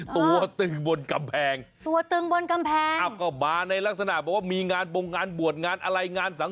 ตัวตึงบนกำแพงนะครับ